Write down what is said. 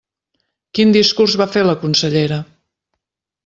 Quin discurs va fer la consellera?